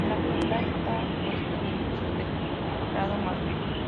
En la actualidad, está expuesto en el Museo del Prado, Madrid.